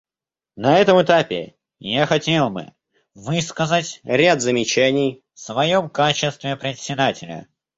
На этом этапе я хотел бы высказать ряд замечаний в своем качестве Председателя.